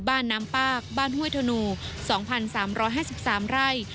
บ้านน้ำปากบ้านห้วยธนู๒๓๕๓ไร่